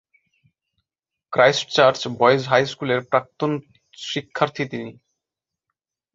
Christchurch boys high স্কুলের প্রাক্তন শিক্ষার্থী তিনি।